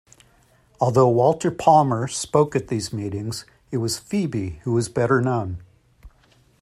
Although Walter Palmer spoke at these meetings, it was Phoebe who was better known.